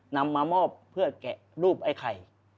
นำมามอบเพื่อแกะรูปไอ้ไข่